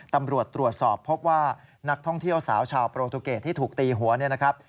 ตำรวจตรวจสอบพบว่านักท่องเที่ยวสาวชาวโปรตุเกตที่ถูกตีหัวเนี่ยนะครับ